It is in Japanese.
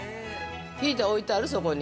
ヒーター置いてあるそこに？